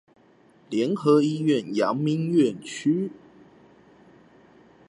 聯合醫院陽明院區